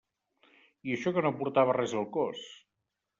I això que no portava res al cos.